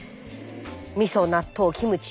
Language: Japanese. みそ納豆キムチ